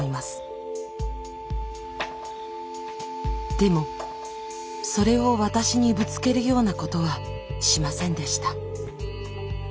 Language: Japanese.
でもそれを私にぶつけるようなことはしませんでした。